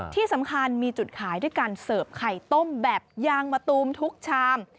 ที่สำคัญมีจุดขายด้วยการเสิร์ฟไข่ต้มแบบยางมะตูมทุกชาม